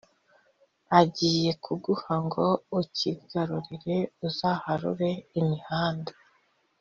agiye kuguha ngo ucyigarurire Uzaharure imihanda